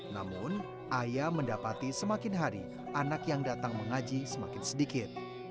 namun ayah mendapati semakin hari anak yang datang mengaji semakin sedikit